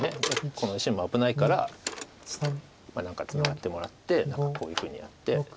この石も危ないからツナがってもらってこういうふうにやって。